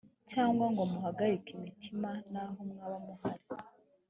cyangwa ngo muhagarike imitima naho mwaba muhari